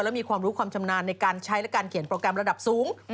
และมีความรู้ความชำนาญในการใช้และการเขียนโปรแกรมระดับสูง